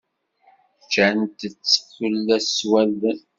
Ččant-t tullas s wallen.